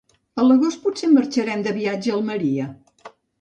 A l'agost potser marxarem de viatge a Almeria.